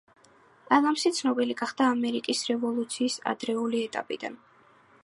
ადამსი ცნობილი გახდა ამერიკის რევოლუციის ადრეული ეტაპიდან.